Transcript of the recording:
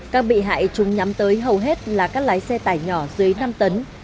các bị hại chúng nhắm tới hầu hết là các lái xe tải nhỏ dưới năm tấn